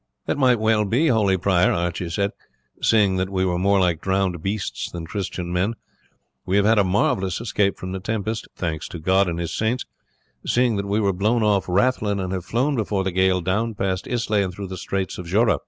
"That might well be, holy prior," Archie said, "seeing that we were more like drowned beasts than Christian men. We have had a marvellous escape from the tempest thanks to God and his saints! seeing that we were blown off Rathlin, and have run before the gale down past Islay and through the Straits of Jura.